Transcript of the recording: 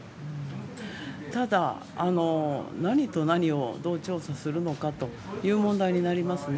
ただ、何と何をどう調査するのかという問題になりますね。